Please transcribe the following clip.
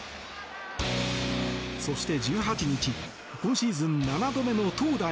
そして、１８日今シーズン７度目の投打